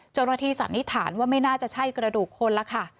สันนิษฐานว่าไม่น่าจะใช่กระดูกคนละค่ะ